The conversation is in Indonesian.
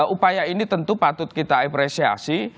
upaya ini tentu patut kita apresiasi